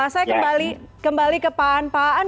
saya kembali ke pak an